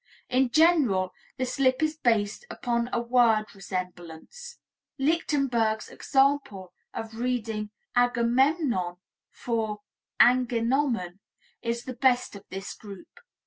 In general, the slip is based upon a word resemblance. Lichtenberg's example of reading "Agamemnon" for "angenommen" is the best of this group.